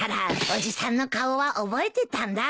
おじさんの顔は覚えてたんだ。